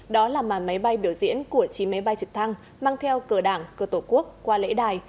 đó là màn máy bay biểu diễn của chín máy bay trực thăng mang theo cờ đảng cờ tổ quốc qua lễ đài